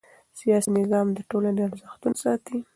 سیاسي نظام د ټولنې ارزښتونه ساتي